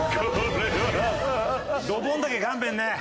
ドボンだけ勘弁ね。